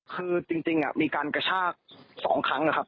คือจริงมีการกระชาก๒ครั้งนะครับ